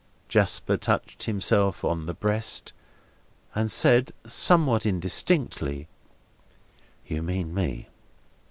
Jasper touched himself on the breast, and said, somewhat indistinctly: "You mean me."